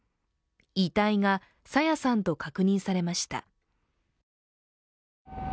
遺体が朝芽さんと確認されました。